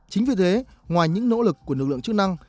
chính vì thế ngoài những nỗ lực của lực lượng chức năng